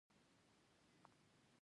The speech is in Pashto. کېله چې يې خلاصه سوه راته ويې ويل.